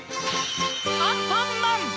アンパンマン‼